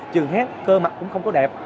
trường hát cơ mặt cũng không có đẹp